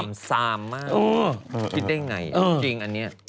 ต่ำซามมากคิดได้อย่างไงเอาจริงอันนี้